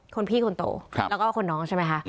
คนพี่คนโตแล้วก็คนน้องใช่ไหมคะ